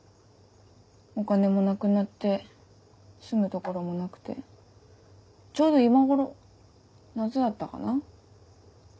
お金もなくなって住む所もなくてちょうど今頃夏だったかな。